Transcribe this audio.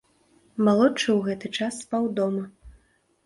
Малодшы ў гэты час спаў дома.